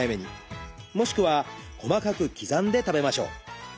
もしくは細かく刻んで食べましょう。